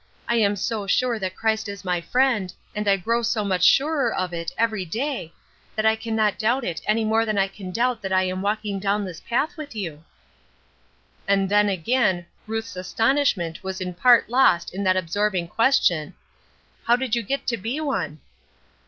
I am so sure that Christ is my Friend, and I grow so much surer of it every day, that I can not doubt it any more than I can doubt that I am walking down this path with you." And then, again, Ruth's astonishment was in part lost in that absorbing question: "How did you get to be one?"